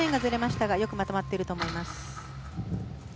よくまとまっていると思います。